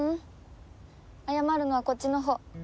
謝るのはこっちのほう。